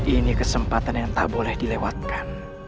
ini kesempatan yang tak boleh dilewatkan